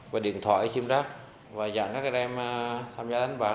qua điện thoại xin rác và dặn các anh em tham gia đánh bạc